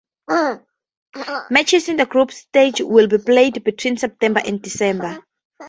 Matches in the group stage will be played between September and December.